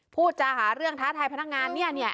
พูดจาหาเรื่องท้าทายพนักงานเนี่ย